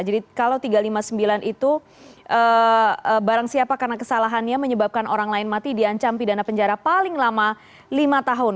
jadi kalau tiga ratus lima puluh sembilan itu barang siapa karena kesalahannya menyebabkan orang lain mati diancam pidana penjara paling lama lima tahun